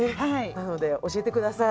なので教えてください。